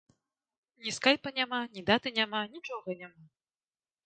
Ні скайпа няма, ні даты няма, нічога няма.